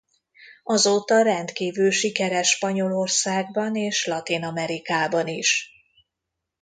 Azóta rendkívül sikeres Spanyolországban és Latin-Amerikában is.